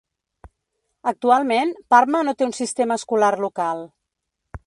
Actualment, Parma no té un sistema escolar local.